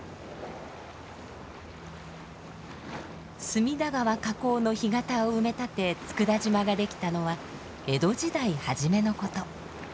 隅田川河口の干潟を埋め立て佃島が出来たのは江戸時代初めのこと。